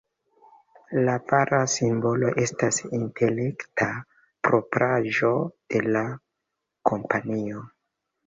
La vara simbolo estas intelekta propraĵo de la kompanio.